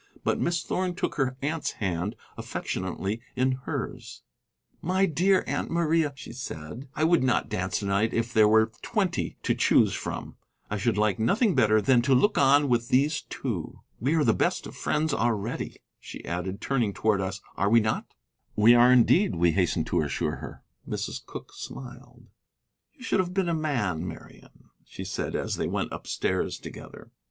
But Miss Thorn took her aunt's hand affectionately in hers. "My dear Aunt Maria," said she, "I would not dance to night if there were twenty to choose from. I should like nothing better than to look on with these two. We are the best of friends already," she added, turning towards us, "are we not?" "We are indeed," we hastened to assure her. Mrs. Cooke smiled. "You should have been a man, Marian," she said as they went upstairs together.